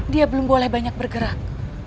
dia belum boleh banyak bergerak